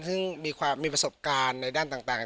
ซึ่งมีประสบการณ์ในด้านต่าง